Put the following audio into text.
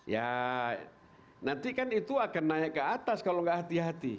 ya nanti kan itu akan naik ke atas kalau nggak hati hati